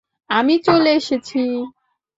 আমি চলে এসেছি।